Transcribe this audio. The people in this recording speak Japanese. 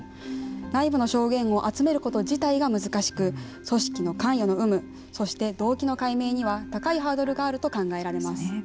内部の証言を集めること自体が難しく組織の関与の有無そして動機の解明には高いハードルがあると考えられます。